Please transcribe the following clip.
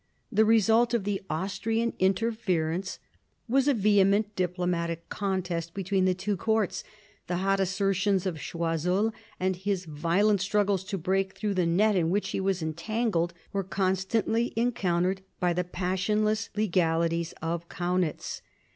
The result of the Austrian interference was a vehement diplomatic contest between the two courts. The hot assertions of Choiseul and his violent struggles to break through the net in which he was entangled were constantly encountered by the passionless legalities of Kaunitz.